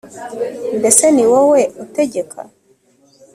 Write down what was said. mbese ni wowe utegeka